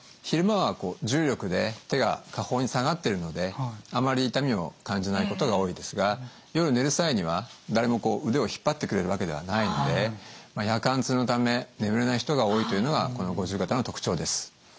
昼間は重力で手が下方に下がってるのであまり痛みを感じないことが多いですが夜寝る際には誰もこう腕を引っ張ってくれるわけではないので夜間痛のため眠れない人が多いというのがこの五十肩の特徴です。